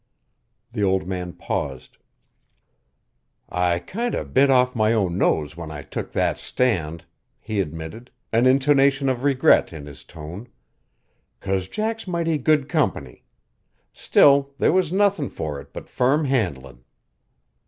The old man paused. "I kinder bit off my own nose when I took that stand," he admitted, an intonation of regret in his tone, "'cause Jack's mighty good company. Still, there was nothin' for it but firm handlin'."